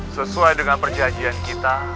sesuai dengan perjanjian kita